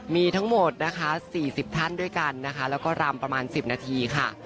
มีทั้งหมดนะคะ๔๐ท่านด้วยกันนะคะแล้วก็รำประมาณ๑๐นาทีค่ะ